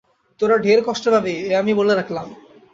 তোরা ঢের কষ্ট পাবি, এই আমি বলে রাখলাম।